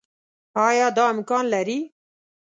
آيا دا امکان لري